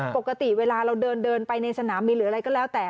ปกติเวลาเราเดินไปในสนามบินหรืออะไรก็แล้วแต่